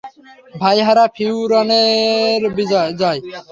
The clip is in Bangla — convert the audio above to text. ভাই-হারা ফিওরনেরের জয়!